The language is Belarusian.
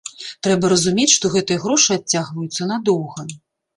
Трэба разумець, што гэтыя грошы адцягваюцца надоўга.